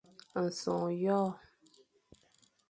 Nsè hôr.